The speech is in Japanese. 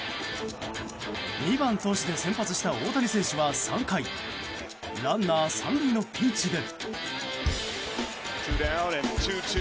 ２番、投手で先発した大谷選手は３回ランナー３塁のピンチで。